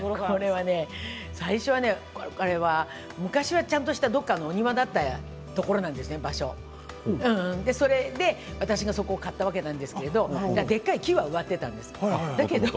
最初は、昔はちゃんとした農家のお庭だったところなんです場所はそれで私はそこを買ったわけなんですけど大きな木が植わっていたんです。